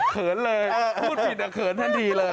เขินเลยพูดผิดเขินทันทีเลย